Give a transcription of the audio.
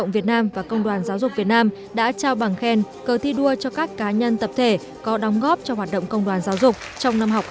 việt nam đã trao bằng khen cờ thi đua cho các cá nhân tập thể có đóng góp cho hoạt động công đoàn giáo dục trong năm học hai nghìn một mươi tám hai nghìn một mươi chín